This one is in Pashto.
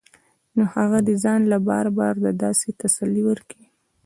نو هغه دې ځان له بار بار دا تسلي ورکوي